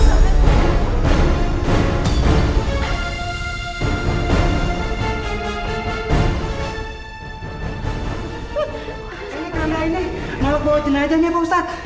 mereka berada di dalam keamanan